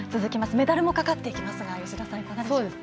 メダルもかかってきますが吉田さんいかがでしょうか。